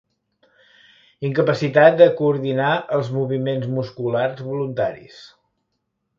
Incapacitat de coordinar els moviments musculars voluntaris.